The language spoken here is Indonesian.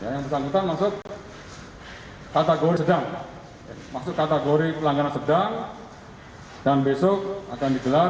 yang bersangkutan masuk kategori sedang masuk kategori pelanggaran sedang dan besok akan digelar